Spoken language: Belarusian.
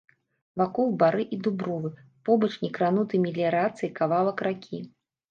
Вакол бары і дубровы, побач некрануты меліярацыяй кавалак ракі.